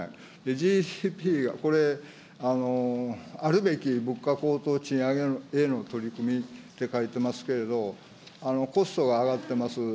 ＧＤＰ、これ、あるべき物価高騰、賃上げへの取り組みって書いてますけれども、コストが上がってます。